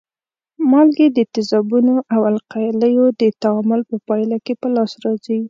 مالګې د تیزابو او القلیو د تعامل په پایله کې په لاس راځي.